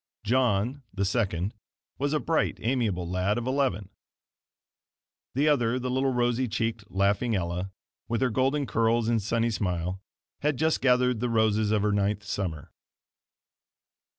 John, the second, was a bright, amiable lad of eleven. The other the little rosy cheeked, laughing Ella, with her golden curls and sunny smile had just gathered the roses of her ninth summer.